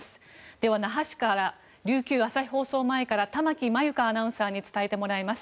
では、那覇市から琉球朝日放送前から玉城真由佳アナウンサーに伝えてもらいます。